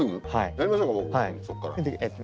やりましょうか僕そっから。